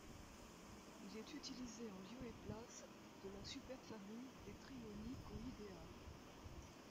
Il est utilisé en lieu et place de la superfamille des Trionychoidea.